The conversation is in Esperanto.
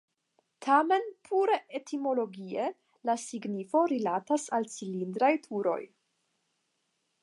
Tamen pure etimologie la signifo rilatas al cilindraj turoj.